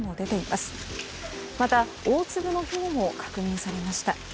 また、大粒のひょうも確認されました。